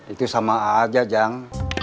itu sama aja jang